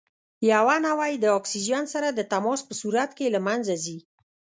یوه نوعه یې د اکسیجن سره د تماس په صورت کې له منځه ځي.